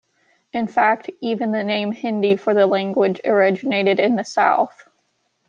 In fact, even the name Hindi for the language originated in the South.